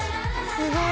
・・すごい！